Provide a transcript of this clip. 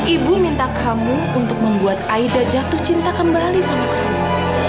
ibu minta kamu untuk membuat aida jatuh cinta kembali sama kamu